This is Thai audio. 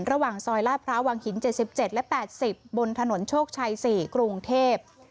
ระหว่างซอยล่าพระวังหินเจ็ดสิบเจ็ดและแปดสิบบนถนนโชคชัยสี่กรุงเทพ